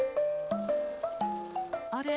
あれ？